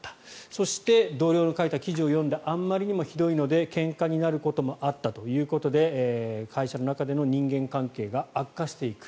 そして同僚の書いた記事を読んであんまりにもひどいのでけんかになることもあったということで会社の中での人間関係が悪化していく。